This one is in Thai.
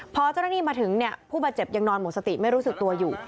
พอเจ้าหน้าที่มาถึงผู้บาดเจ็บยังนอนหมดสติไม่รู้สึกตัวอยู่